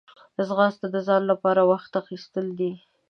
ځغاسته د ځان لپاره وخت اخیستل دي